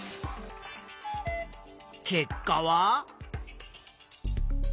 結果は。